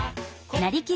「なりきり！